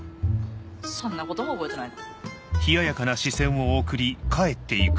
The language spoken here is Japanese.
そんなことも覚えてないの？